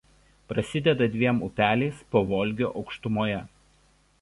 Prasideda dviem upeliais Pavolgio aukštumoje.